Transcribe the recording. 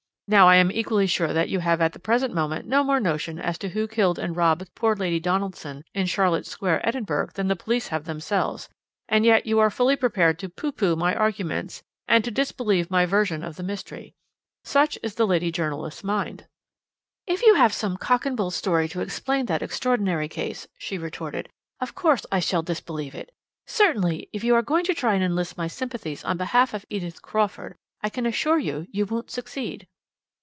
Now, I am equally sure that you have at the present moment no more notion as to who killed and robbed poor Lady Donaldson in Charlotte Square, Edinburgh, than the police have themselves, and yet you are fully prepared to pooh pooh my arguments, and to disbelieve my version of the mystery. Such is the lady journalist's mind." "If you have some cock and bull story to explain that extraordinary case," she retorted, "of course I shall disbelieve it. Certainly, if you are going to try and enlist my sympathies on behalf of Edith Crawford, I can assure you you won't succeed."